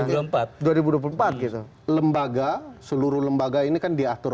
gitu lembaga seluruh lembaga ini kan diaturkan dengan sikap konsisten dan juga dikendalikan dengan sikap konsisten